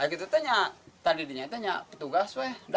kami berdua di rumah kami berdua di rumah